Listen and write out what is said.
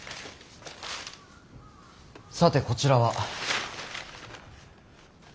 さてこちらは。